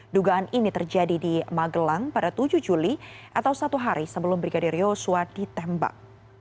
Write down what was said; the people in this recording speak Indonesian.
dugaan ini terjadi di magelang pada tujuh juli atau satu hari sebelum brigadir yosua ditembak